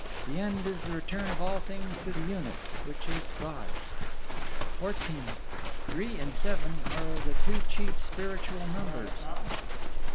The end is the return of all things to the Unit, which is God. XIV Three and Seven are the two chief Spiritual numbers.